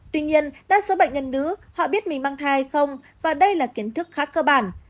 tuy nhiên đa số bệnh nhân nữ họ biết mình mang thai không và đây là kiến thức khá cơ bản